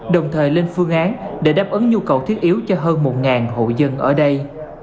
đồng thời lên phương án để đáp ứng nhu cầu thiết yếu cho hơn một hộ dân ở đây